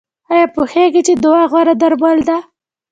ایا پوهیږئ چې دعا غوره درمل ده؟